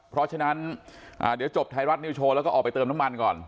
เพราะฉะนั้นเดี๋ยวจบไทยรัฐนิวโชว์แล้วก็ออกไปเติมน้ำมันก่อน